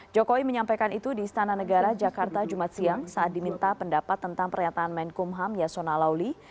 jokowi menyampaikan itu di istana negara jakarta jumat siang saat diminta pendapat tentang pernyataan menkumham yasona lauli